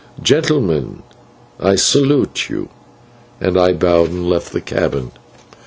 Gentlemen, I salute you," and I bowed and left the cabin.